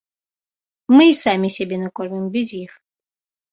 Мы і самі сябе накормім, без іх.